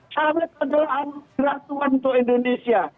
selamat adalah alur keratuan untuk indonesia